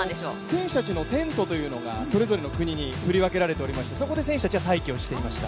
選手たちのテントがそれぞれの国に振り分けられておりまして、そこで選手たちは待機をしていました。